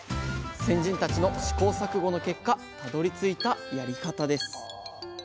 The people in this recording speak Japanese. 先人たちの試行錯誤の結果たどりついたやり方です